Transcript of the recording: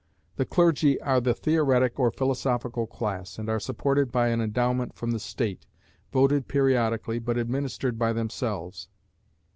The clergy are the theoretic or philosophical class, and are supported by an endowment from the State, voted periodically, but administered by themselves.